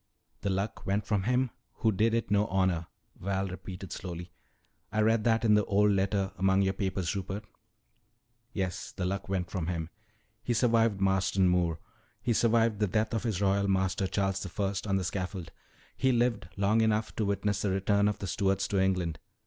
"'The Luck went from him who did it no honor,'" Val repeated slowly. "I read that in that old letter among your papers, Rupert." "Yes, the Luck went from him. He survived Marston Moor; he survived the death of his royal master, Charles the First, on the scaffold. He lived long enough to witness the return of the Stuarts to England.